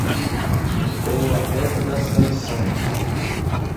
Com o afeto das canções